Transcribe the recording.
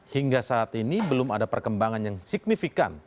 hingga saat ini belum ada perkembangan yang signifikan